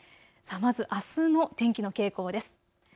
まず、あすの天気の傾向です。